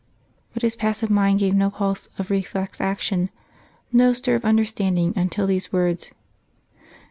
_ but his passive mind gave no pulse of reflex action, no stir of understanding until these words.